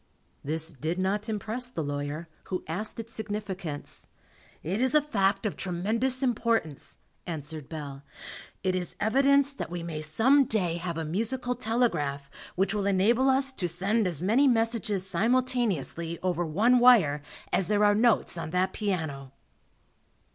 This did not impress the lawyer, who asked its significance. "It is a fact of tremendous importance," answered Bell. "It is evidence that we may some day have a musical telegraph which will enable us to send as many messages simultaneously over one wire as there are notes on that piano."